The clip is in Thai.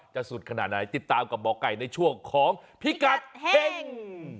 สุดขนาดไหนติดตามกับหมอไก่ในช่วงของพิกัดเฮ่ง